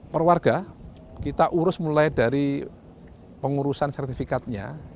perwarga kita urus mulai dari pengurusan sertifikatnya